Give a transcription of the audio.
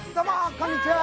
こんにちは。